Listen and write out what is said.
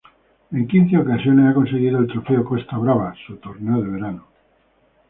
En quince ocasiones ha conseguido el Trofeo Costa Brava, su torneo de verano.